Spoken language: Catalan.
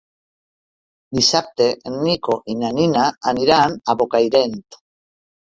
Dissabte en Nico i na Nina aniran a Bocairent.